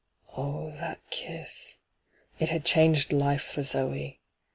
Oh, that kiss 1 It had changed life for Zoe.